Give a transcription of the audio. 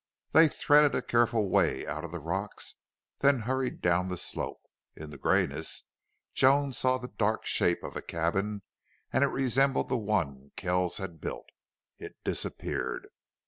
They threaded a careful way out of the rocks, then hurried down the slope. In the grayness Joan saw the dark shape of a cabin and it resembled the one Kells had built. It disappeared.